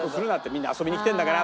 みんな遊びに来てるんだから」